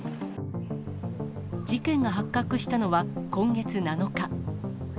事件が発覚したのは今月７日。